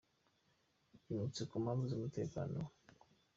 yimutse ku mpamvu z’umutekano we